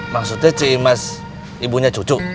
maksudnya cik imas ibunya cucu